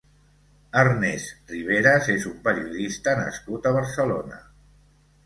Ernest Riveras és un periodista nascut a Barcelona.